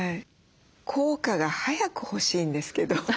効果が早く欲しいんですけど。